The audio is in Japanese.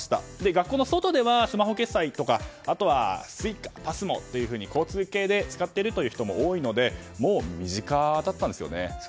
学校の外ではスマホ決済とかあとはＳｕｉｃａなどを使っているという人も多いのでもう身近だったんですよね。